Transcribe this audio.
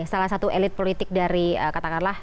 salah satu elit politik dari katakanlah